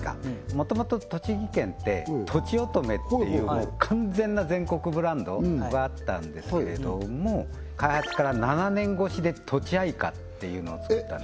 もともと栃木県ってとちおとめっていう完全な全国ブランドはあったんですけれども開発から７年越しでとちあいかっていうのを作ったんです